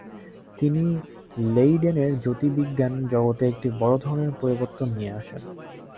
তিনি লেইডেনের জ্যোতির্বিজ্ঞান জগতে একটি বড় ধরনের পরিবর্তন নিয়ে আসেন।